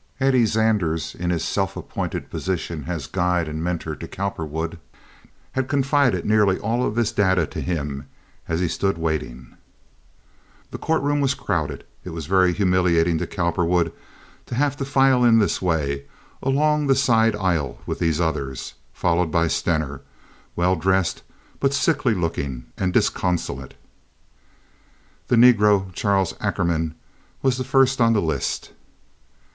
Eddie Zanders, in his self appointed position as guide and mentor to Cowperwood, had confided nearly all of this data to him as he stood waiting. The courtroom was crowded. It was very humiliating to Cowperwood to have to file in this way along the side aisle with these others, followed by Stener, well dressed but sickly looking and disconsolate. The negro, Charles Ackerman, was the first on the list.